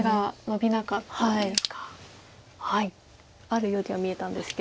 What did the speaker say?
あるようには見えたんですけど。